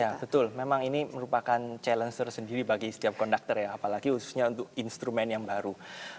ya betul memang ini merupakan challenge tersendiri bagi setiap konduktor ya apalagi khususnya untuk instrumen yang baru